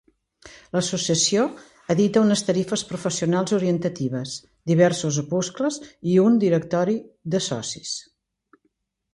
L'Associació edita unes tarifes professionals orientatives, diversos opuscles i un directori de socis.